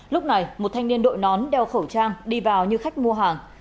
lúc này một thanh niên đội nón đeo khẩu trang đi vào như khách mua hàng